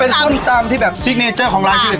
เป็นส้มตำที่แบบซิกเนเจอร์ของร้านที่อื่น